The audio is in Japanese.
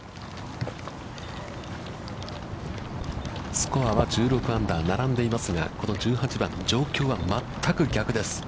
スコアは１６アンダー、並んでいますが、この１８番、状況は全く逆です。